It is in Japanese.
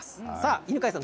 犬飼さん